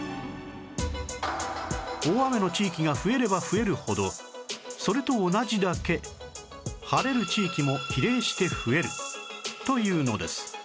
大雨の地域が増えれば増えるほどそれと同じだけ晴れる地域も比例して増えるというのです